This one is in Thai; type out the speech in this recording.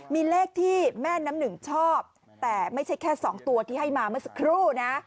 มีเลขที่แม่น้ำหนึ่งชอบแต่ไม่ใช่แค่๒ตัวที่ให้มาเมื่อสักครู่นะ